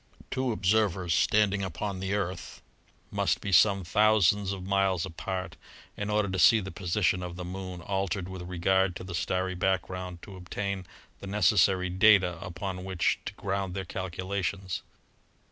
Two observers standing upon the Earth must be some thousands of miles apart in order to see the position of the Moon altered with regard to the starry background to obtain the necessary data upon which to ground their calculations.